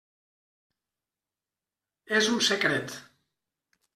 És un secret.